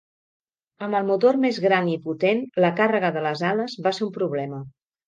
Amb el motor més gran i potent, la càrrega de les ales va ser un problema.